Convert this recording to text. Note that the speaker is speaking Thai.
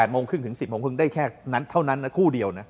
๘โมงถึง๑๐โมงได้แค่เท่านั้นคู่เดียวนะ